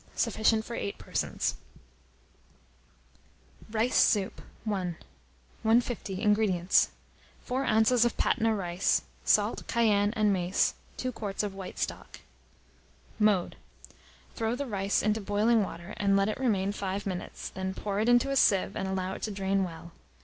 Sufficient for 8 persons. RICE SOUP. I. 150. INGREDIENTS. 4 oz. of Patna rice, salt, cayenne, and mace, 2 quarts of white stock. Mode. Throw the rice into boiling water, and let it remain 5 minutes; then pour it into a sieve, and allow it to drain well.